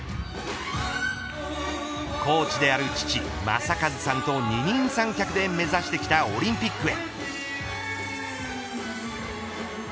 コーチである父、正和さんと二人三脚で目指してきたオリンピックへ。